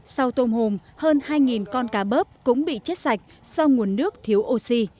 sau tôm hùm hơn hai con cá bớp cũng bị chết sạch do nguồn nước thiếu oxy